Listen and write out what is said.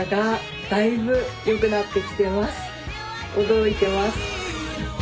驚いてます。